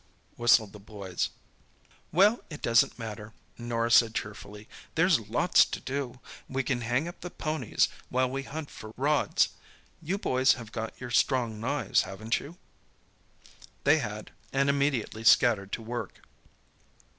whistled the boys. "Well, it doesn't matter," Norah said cheerfully. "There's lots to do. We can hang up the ponies while we hunt for rods. You boys have got your strong knives, haven't you?" They had, and immediately scattered to work.